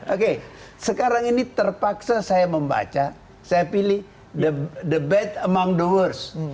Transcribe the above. oke sekarang ini terpaksa saya membaca saya pilih the bed among the worst